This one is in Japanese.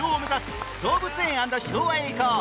動物園＆昭和へ行こう！